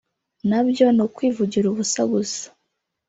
nabyo ni ukwivugira ubusa gusa